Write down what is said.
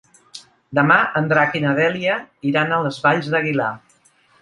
Demà en Drac i na Dèlia iran a les Valls d'Aguilar.